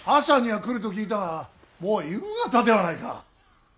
朝には来ると聞いたがもう夕方ではないか。